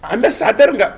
anda sadar nggak